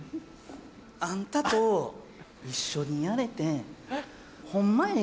あんたと一緒にやれてほんま